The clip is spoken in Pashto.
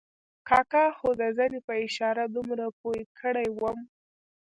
کاکا خو د زنې په اشاره دومره پوه کړی وم.